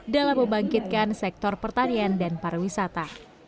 dalam membangkitkan sektor pertanian dan pariwisata